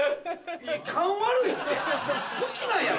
勘悪いって好きなんやろ？